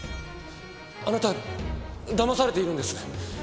あなたはだまされているんです。